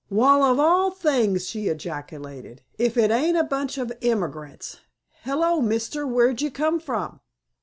"Wal of all things!" she ejaculated, "if it ain't a bunch o' emigrants! Hello, mister, where'd you come from?"